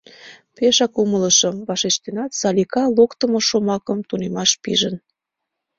— Пешак умылышым, — вашештенат, Салика локтымо шомакым тунемаш пижын.